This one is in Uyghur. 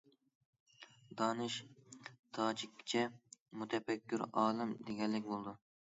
«دانىش» تاجىكچە مۇتەپەككۇر، ئالىم دېگەنلىك بولىدۇ.